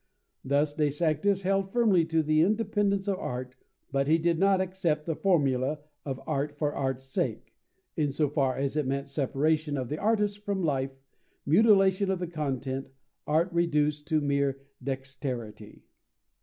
Thus De Sanctis held firmly to the independence of art, but he did not accept the formula of "art for art's sake," in so far as it meant separation of the artist from life, mutilation of the content, art reduced to mere dexterity.